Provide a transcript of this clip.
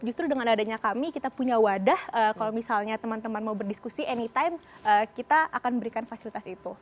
justru dengan adanya kami kita punya wadah kalau misalnya teman teman mau berdiskusi anytime kita akan berikan fasilitas itu